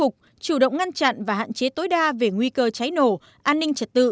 chủ động ngăn chặn và hạn chế tối đa về nguy cơ cháy nổ an ninh trật tự